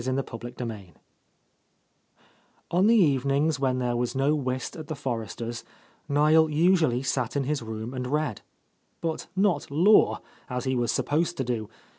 — 79 VII O N the evenings when there was no whist at the Forresters', Niel usually sat in his room and read, — but not law, as he was supposed to do.